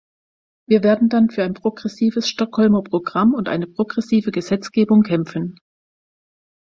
Wir werden dann für ein progressives Stockholmer Programm und eine progressive Gesetzgebung kämpfen.